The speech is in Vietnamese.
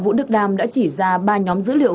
vũ đức đam đã chỉ ra ba nhóm dữ liệu